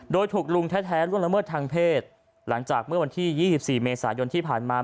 โดยถูกลุงแท้ล่วงละเมิดทางเพศหลังจากเมื่อวันที่๒๔เมษายนที่ผ่านมา